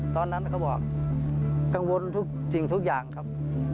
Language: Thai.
ตอนนั้นเขาบอกกังวลสิ่งทุกอย่างครับ